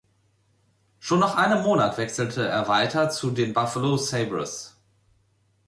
Schon nach einem Monat wechselte er weiter zu den Buffalo Sabres.